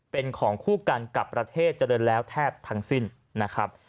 เป็นของคู่กันกับประเทศเจริญแล้วแทบทั้งสิ้นนะครับ